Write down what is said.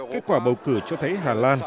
kết quả bầu cử cho thấy hà lan